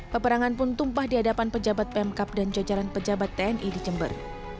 peperangan pun tumpah di hadapan pejabat pemkap dan jajaran pejabat tni di jember